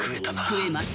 食えます。